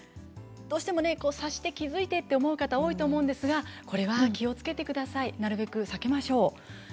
どうしても察して、気付いてと思う方多いと思うんですがこれは気をつけてください。なるべく避けましょう。